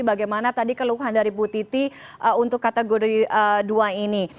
bagaimana tadi keluhan dari bu titi untuk kategori dua ini